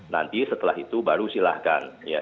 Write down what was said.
nanti setelah itu baru silahkan